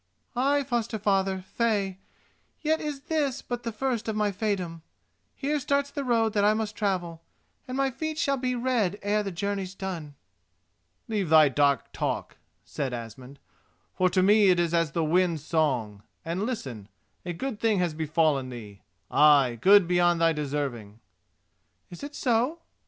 "Ay, foster father, fey: yet is this but the first of my feydom. Here starts the road that I must travel, and my feet shall be red ere the journey's done." "Leave thy dark talk," said Asmund, "for to me it is as the wind's song, and listen: a good thing has befallen thee—ay, good beyond thy deserving." "Is it so?